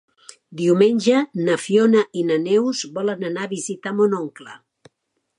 Diumenge na Fiona i na Neus volen anar a visitar mon oncle.